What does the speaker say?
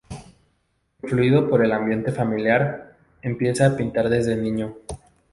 Influido por el ambiente familiar, empieza a pintar desde niño.